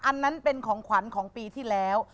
อันนั้นเป็นของขวัญของปีที่แล้ว